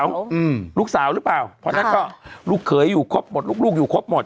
เพราะฉะนั้นก็ลูกเขยอยู่ครบหมดลูกอยู่ครบหมด